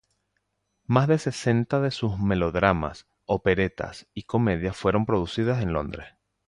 Más de sesenta de sus melodramas, operetas y comedias fueron producidas en Londres.